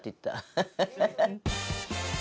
ハハハハ！